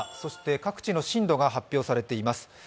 各地の震度が発表されています。